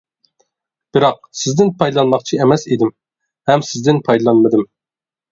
بىراق سىزدىن پايدىلانماقچى ئەمەس ئىدىم ھەم سىزدىن پايدىلانمىدىم.